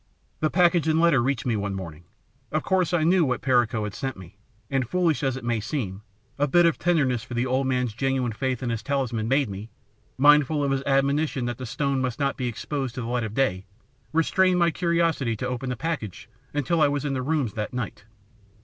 "The package and letter reached me one morning. Of course I knew what Perico had sent me, and, foolish as it may seem, a bit of tenderness for the old man's genuine faith in his talisman made me, mindful of his admonition that the stone must not be exposed to the light of day, restrain my curiosity to open the package until I was in my rooms that night.